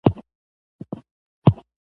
خلک د مېلو له پاره سندرغاړي راولي.